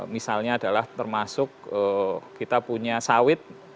misalnya adalah termasuk kita punya sawit